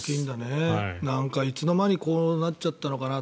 いつの間にこうなっちゃったのかな。